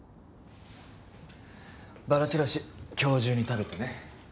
バラちらし今日中に食べてね。